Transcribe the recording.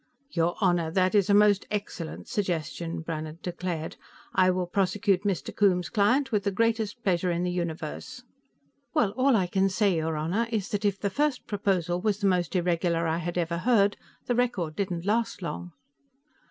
"Your Honor, that is a most excellent suggestion," Brannhard declared. "I will prosecute Mr. Coombes's client with the greatest pleasure in the universe." "Well, all I can say, your Honor, is that if the first proposal was the most irregular I had ever heard, the record didn't last long!"